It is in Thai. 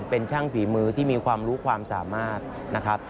เป็นช่างฝีมือที่มีความรู้ความสามารถนะครับ